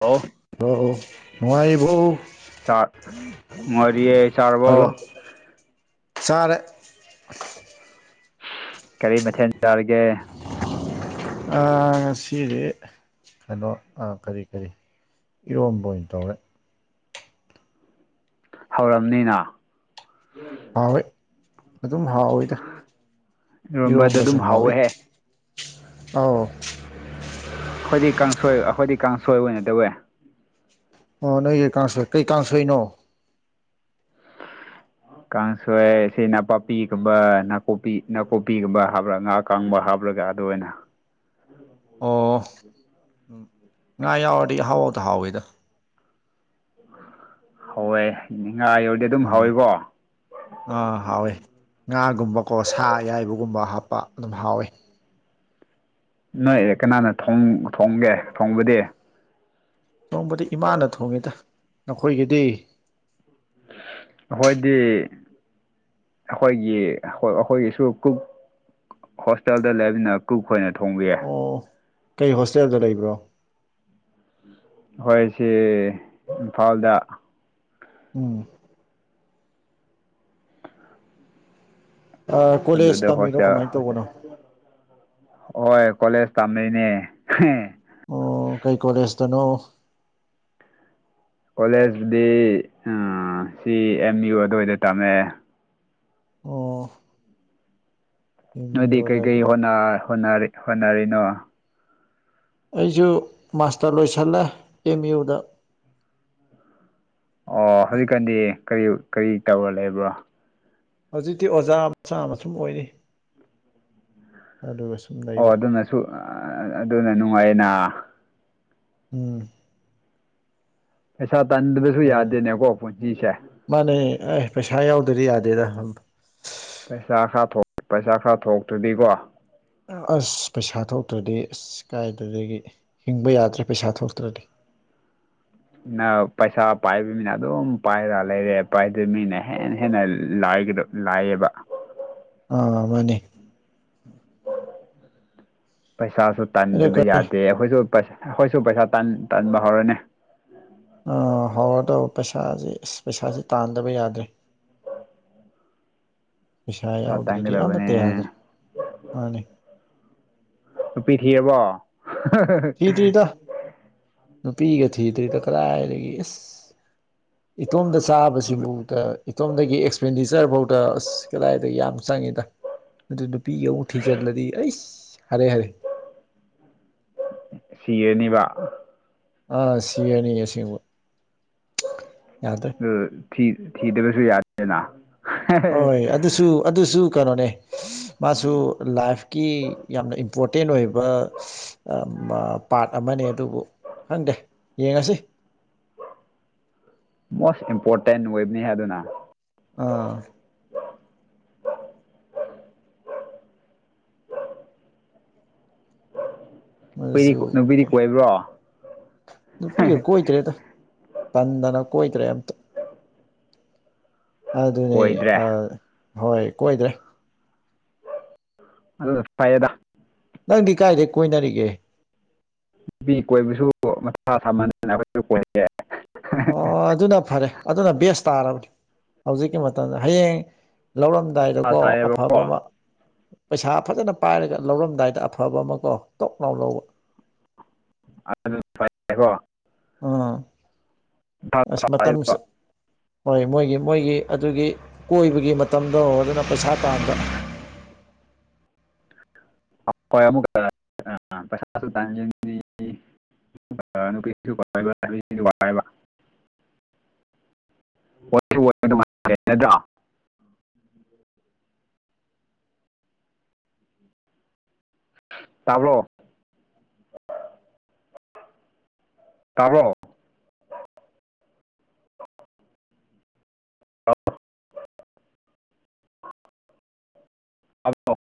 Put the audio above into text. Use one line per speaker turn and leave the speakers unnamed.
hello
ꯑꯣ ꯅꯅꯨꯡꯉꯥꯏꯔꯤꯕꯧ
ꯁꯥ ꯃꯔꯤ ꯆꯥꯔꯔꯕꯣ
ꯆꯔꯦ
ꯀꯔꯤ ꯃꯊꯦꯜ ꯆꯥꯔꯤꯒꯦ
ꯑꯥ ꯉꯁꯤꯗꯤ ꯀꯅꯣ ꯑꯥ ꯀꯔꯤ ꯀꯔꯤ ꯏꯔꯣꯝꯕ ꯑꯣꯏꯅ ꯇꯧꯔꯦ
ꯍꯧꯔꯝꯅꯤꯅ
ꯍꯥꯎꯋꯦ ꯑꯗꯨꯝ ꯍꯥꯎꯋꯦꯗ
ꯏꯔꯣꯝꯕꯗꯣ
ꯏꯝꯕꯁꯨ
ꯑꯗꯨꯝ
ꯍꯕꯤ
ꯍꯧꯋꯦꯍꯦ
ꯑ
ꯑꯩꯣꯏꯗꯤ ꯀꯥꯡꯁꯣꯏ ꯑꯩꯈꯣꯏꯗꯤ ꯀꯥꯡꯁꯣꯏ ꯑꯣꯏꯅ ꯇꯧꯋꯦ
ꯑꯣ ꯅꯣꯏ ꯀꯩ ꯀꯥꯡ ꯁꯣꯏ ꯀꯩꯀ ꯁꯏꯅꯣ
ꯀꯥꯡꯁꯣꯏ ꯁꯤ ꯅꯥꯄꯥꯛꯄꯤꯒꯨꯝꯕ ꯅꯥꯀꯨꯞꯄꯤ ꯅꯥꯀꯨꯞꯄꯤꯒꯨꯝꯕ ꯍꯥꯞ꯭ꯔꯒ ꯉꯍꯥꯛ ꯀꯪꯕ ꯍꯥꯞꯂꯒ ꯑꯗꯨ ꯑꯣꯏꯅ
ꯑꯣꯥ ꯉꯥ ꯌꯥꯎꯔꯗꯤ ꯍꯍꯥꯎꯕ ꯍꯥꯎꯋꯦꯗ
ꯍꯧꯋꯦ ꯅꯤꯡ ꯉꯥ ꯌꯧꯔꯗꯤ ꯑꯗꯨꯝ
ꯎꯝ
ꯍꯧꯋꯤꯀꯣ
ꯑꯥ ꯍꯥꯎꯋꯦ ꯉꯥꯒꯨꯝꯕꯀꯣ ꯁꯥ ꯑꯌꯥꯏꯕꯒꯨꯝꯕ ꯍꯥꯞꯄ ꯑꯗꯨꯝ ꯍꯥꯎꯋꯦ
ꯅꯣꯏ ꯑꯦ ꯀꯅꯥꯅ ꯊꯣꯡꯒꯦ ꯊꯣꯡꯕꯗꯤ
ꯆꯣꯡꯕꯗꯤ ꯏꯃꯥꯅ ꯊꯣꯡꯉꯦꯗ ꯅꯈꯣꯏꯒꯤꯗꯤ
ꯍꯣꯏꯗꯤ ꯑꯩꯈꯣꯏꯒꯤ ꯍꯣꯏ ꯑꯩꯈꯣꯏꯒꯤꯁꯨ ꯀꯨꯛ ꯍꯣꯁꯇꯦꯜꯗ ꯂꯩꯕꯅ ꯀꯨꯛꯈꯣꯏꯅ ꯊꯣꯡꯕ ꯌꯥꯏ
ꯑꯣ ꯀꯩ ꯍꯣꯁꯇꯦꯜꯗ ꯂꯩꯕ꯭ꯔꯣ
ꯍꯣꯏ ꯁꯤ ꯏꯝꯐꯥꯜꯗ
ꯎꯝ ꯀꯣꯂꯦꯖ
ꯑꯗꯨꯗ
ꯇꯝꯃꯤꯔꯣ ꯀꯃꯥꯏꯅ
ꯍꯣꯁꯇꯦꯜ
ꯇꯧꯕꯅꯣ
[unintelligible] ꯍꯣꯏ ꯀꯣꯂꯦꯖ ꯇꯝꯃꯦꯩꯅꯦ
ꯑꯣ ꯀꯩ ꯀꯣꯂꯦꯖ ꯇꯅꯣ
ꯀꯣꯂꯦꯖꯗꯤ ꯁꯤ ꯑꯦꯝ ꯌꯨ ꯑꯗꯨꯋꯥꯏꯗ ꯇꯝꯃꯛꯑꯦ
ꯑꯣ ꯑꯦꯝ
ꯅꯣꯏꯗꯤ
ꯌꯨ
ꯀꯩ
ꯑꯗꯥꯏꯗ
ꯀꯩ ꯍꯣꯠꯅ ꯍꯣꯠꯅꯔꯤ ꯍꯣꯠꯅꯔꯤꯅꯣ
ꯑꯩꯁꯨ ꯃꯥꯁꯇꯔ ꯂꯣꯏꯁꯜꯂꯦ ꯑꯦꯝ ꯌꯨ ꯗꯥ
ꯑꯣ ꯍꯧꯖꯤꯛꯀꯥꯟꯗꯤ ꯀꯔꯤ ꯀꯔꯤ ꯇꯧꯔ ꯂꯩꯕ꯭ꯔꯣ
ꯍꯧꯖꯤꯛꯇꯤ ꯑꯣꯖꯥ ꯃꯆꯥꯃꯥ ꯁꯨꯝ ꯑꯣꯏꯔꯤ ꯑꯗꯨꯒ
ꯑꯣ
ꯂꯩꯕ
ꯑꯗꯨꯅꯁꯨ ꯑꯗꯨꯅ ꯅꯨꯡꯉꯥꯏꯌꯦꯅ
ꯎꯝ
ꯄꯩꯁꯥ ꯇꯟꯗꯕꯁꯨ ꯌꯥꯗꯦꯅꯦꯀꯣ ꯄꯨꯟꯁꯤꯁꯦ
ꯃꯥꯅꯦ ꯑꯦ ꯄꯩꯁꯥ ꯌꯥꯎꯗꯗꯤ ꯌꯥꯗꯦꯗ
ꯄꯩꯁꯥ ꯈꯔ ꯊꯣꯛ ꯄꯩꯁꯥ ꯈꯔ ꯊꯣꯛꯇ꯭ꯔꯗꯤꯀꯣ
ꯑꯁ ꯄꯩꯁꯥ ꯊꯣꯛꯇ꯭ꯔꯗꯤ ꯑꯁ ꯀꯥꯏꯗꯨꯗꯒꯤ ꯍꯤꯡꯕ ꯌꯥꯗ꯭ꯔꯦ ꯄꯩꯁꯥ ꯊꯣꯛꯇ꯭ꯔꯗꯤ
ꯅ ꯄꯩꯁꯥ ꯄꯥꯏꯕ ꯃꯤꯅ ꯑꯗꯨꯝ ꯄꯥꯏꯔ ꯂꯩꯔꯦ ꯄꯥꯏꯗꯕ ꯃꯤꯅ ꯍꯦꯟꯅ ꯍꯦꯟꯅ ꯂꯥꯛꯒꯗꯕ ꯂꯥꯏꯌꯦꯕ
ꯑ ꯃꯥꯅꯤꯅꯦ
[unintelligible] ꯄꯩꯁꯥꯁꯨ ꯇꯥꯟꯗꯕ
ꯑꯗꯨꯒ
ꯌꯥꯗꯦ ꯑꯩꯈꯣꯏꯁꯨ ꯄꯩꯁ ꯑꯩꯈꯣꯏꯁꯨ ꯄꯩꯁꯥ ꯇꯥꯟ ꯇꯥꯟꯕ ꯍꯧꯔꯅꯤ
ꯑ ꯍꯧꯔ ꯇꯧꯕ ꯄꯩꯁꯥꯁ ꯑꯁ ꯄꯩꯁꯥꯥꯁ ꯇꯥꯟꯗꯕ ꯌꯥꯗ꯭ꯔꯦ
ꯑꯣ
ꯄꯩꯁꯥ
ꯁꯥ
ꯌꯥꯎꯗ꯭ꯔꯗꯤ
ꯇꯥꯡꯒꯗꯕꯅꯦ
ꯑꯃꯠꯇ ꯌꯥꯗ꯭ꯔꯦ ꯃꯥꯅꯤ
ꯅꯨꯄꯤ ꯊꯤꯑꯔꯕꯣ
ꯊꯤꯗ꯭ꯔꯤꯗ ꯅꯨꯄꯤꯒ ꯊꯤꯗ꯭ꯔꯤꯗ ꯀꯗꯥꯏꯗꯒꯤ ꯏꯁ ꯏꯇꯣꯝꯗ ꯆꯥꯕꯁꯤꯕꯨ ꯑ ꯏꯇꯣꯝꯗꯒꯤ ꯑꯦꯛꯁꯄꯦꯟꯗꯤꯆꯔꯐꯥꯎꯗ ꯑꯁ ꯀꯗꯥꯏꯗ ꯌꯥꯝ ꯆꯪꯏꯤꯗ ꯑꯗꯨ ꯅꯨꯄꯤꯒꯤ ꯑꯃꯨꯛ ꯊꯤꯖꯤꯜꯂꯗꯤ ꯑꯩꯁ ꯍꯥꯏꯔꯦ ꯍꯥꯏꯔꯦ
ꯁꯤ ꯑꯦ ꯅꯤꯕ
ꯑꯥ ꯁꯤꯔꯅꯤ ꯑꯁꯦꯡꯕ [unintelligible] ꯌꯥꯗ꯭ꯔꯦ
ꯑꯗꯨ ꯊꯤꯗꯕꯁꯨ ꯌꯥꯗꯦꯅ
ꯍꯣꯏ ꯑꯗꯨꯁꯨ ꯑꯗꯨꯁꯨ ꯀꯩꯅꯣꯅꯦ ꯃꯥꯁꯨ ꯂꯥꯏꯐꯀꯤ ꯌꯥꯝꯅ ꯏꯝꯄꯣꯔꯇꯦꯟ ꯑꯣꯏꯕ ꯄꯥꯔꯠ ꯑꯃꯅꯦ ꯑꯗꯨꯕꯨ ꯈꯪꯗꯦ ꯌꯦꯡꯉꯁꯤ
ꯃꯣꯁ ꯏꯝꯄꯣꯔꯇꯦꯟ ꯋꯦꯕꯅꯤ ꯍꯥꯏ ꯑꯗꯨꯅ
ꯑꯥ
ꯅꯨꯄꯤꯗꯤ
ꯃꯁꯨ
ꯅꯨꯄꯤꯗꯤ
ꯀꯦ
ꯀꯣꯏꯕ꯭ꯔꯣ
ꯅꯨꯄꯤꯒ ꯀꯣꯏꯗ꯭ꯔꯦꯗ ꯇꯟꯗꯅ ꯀꯣꯏꯗ꯭ꯔꯦ ꯑꯝꯇ
[unintelligible]
ꯑꯗꯨꯅꯦ
ꯀꯣꯏꯗ꯭ꯔꯦ
ꯑꯥ ꯍꯣꯏ ꯀꯣꯏꯗ꯭ꯔꯦ
ꯑꯗꯨ ꯐꯩꯗ
ꯅꯪꯗꯤ ꯀꯥꯏꯗꯩ ꯀꯣꯏꯅꯔꯤꯒꯦ
ꯅꯨꯄꯤ ꯀꯣꯏꯕꯁꯨ ꯃꯁ ꯁꯃꯟꯅ ꯑꯩꯈꯣꯏ
ꯑꯣ ꯑꯗꯨꯅ ꯐꯔꯦ ꯑꯗꯨꯅ ꯕꯦꯁ ꯇꯥꯔꯕꯅꯤ ꯍꯧꯖꯤꯛꯀꯤ ꯃꯇꯝꯗ ꯍꯌꯦꯡ
ꯃꯊꯥ
ꯂꯧꯔꯝꯗꯥꯏꯗꯀꯣ ꯑꯐꯕ
ꯁꯥꯏꯌꯦꯕꯀꯣ
ꯑꯃ ꯄꯩꯁꯥ ꯐꯖꯅ ꯄꯥꯏꯔꯒ ꯂꯧꯔꯝꯗꯥꯏꯗ ꯑꯐꯕ ꯑꯃ ꯀꯣ ꯇꯣꯛ ꯅꯥꯥꯎ ꯂꯧꯕ
ꯑꯗꯨ ꯐꯠꯔꯦꯀꯣ
ꯑꯥ
ꯃꯊꯥ
ꯑꯁ
ꯁꯥꯏꯌꯦꯕ
ꯃꯇꯝꯁꯦ ꯍꯣꯏ ꯃꯣꯏꯒꯤ ꯃꯣꯏꯒꯤ ꯑꯗꯨꯒꯤ ꯀꯣꯏꯕꯒꯤ ꯃꯇꯝꯗꯣ ꯑꯗꯨꯅ ꯄꯩꯁꯥ ꯇꯥꯟꯕ
ꯀꯩ [inaudible] ꯕ [inaudible] ꯗꯨ ꯋꯥꯥꯏꯕ ꯅꯠꯇ꯭ꯔꯣ ꯇꯥꯕ꯭ꯔꯣ ꯇꯥꯕ꯭ꯔꯣ ꯑꯥꯎ ꯑꯜꯣ [inaudible]